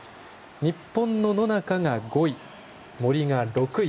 日本の野中が５位、森が６位。